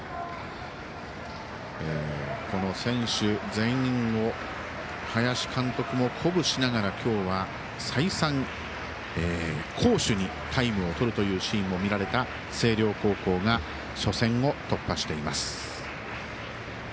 選手全員を林監督が鼓舞しながら今日は再三、攻守にタイムを取るというシーンも見られた星稜高校が初戦を突破しています。